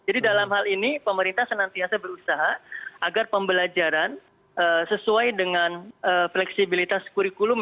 jadi dalam hal ini pemerintah senantiasa berusaha agar pembelajaran sesuai dengan fleksibilitas kurikulum